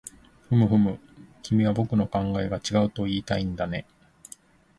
ふむふむ、君は僕の考えが違うといいたいんだね